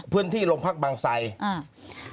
พื้นที่โรงพักภังไทย